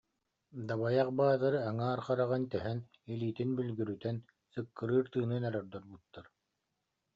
Дабайах Баатыры аҥаар хараҕын тэһэн, илиитин бүлгүрүтэн, сыккырыыр тыынын эрэ ордорбуттар